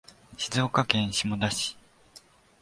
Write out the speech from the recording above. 静岡県下田市